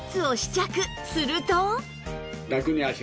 すると